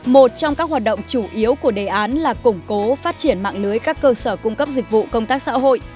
một trong các hoạt động chủ yếu của đề án là củng cố phát triển mạng lưới các cơ sở cung cấp dịch vụ công tác xã hội